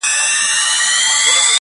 یوه بله کښتۍ ډکه له ماهیانو!